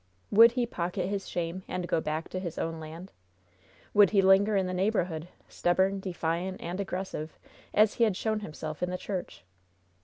Would he pocket his shame and go back to his own land? Would he linger in the neighborhood, stubborn, defiant and aggressive, as he had shown himself in the church?